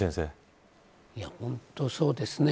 本当にそうですね。